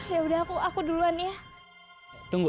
ya udah aku aku duluan ya tunggu